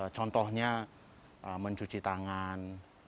contohnya mencuci tangan